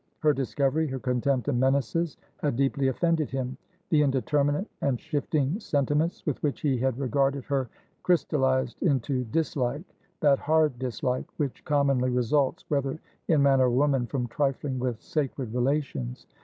Her discovery, her contempt and menaces, had deeply offended him; the indeterminate and shifting sentiments with which he had regarded her crystallised into dislikethat hard dislike which commonly results, whether in man or woman, from trifling with sacred relations.